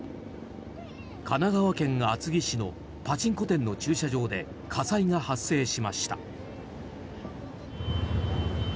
神奈川県厚木市のパチンコ店の駐車場で火災が発生しました。